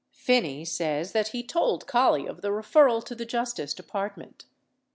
Phinney says that he told Collie of the referral to the Justice Department.